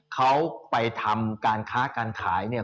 เขาไปทำการค้าการขายเนี่ย